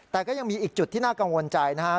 แต่ก็ยังมีอีกจุดที่น่ากังวลใจนะครับ